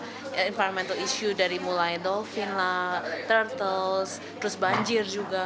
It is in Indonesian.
ada environmental issue dari mulai dolphin lah turtles terus banjir juga